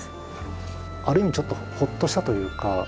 ある意味ちょっとホッとしたというか。